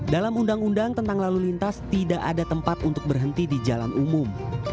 dalam undang undang tentang lalu lintas tidak ada tempat untuk berhenti di jalan umum